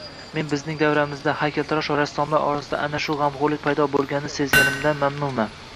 Men bizning davramizda, haykaltarosh va rassomlar orasida ana shu gʻamxoʻrlik paydo boʻlganini sezganimdan mamnunman.